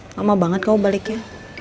lama banget kamu baliknya